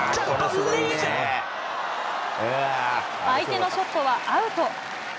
相手のショットはアウト。